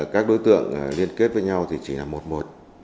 các đối tượng liên kết với nhau thì chỉ là một một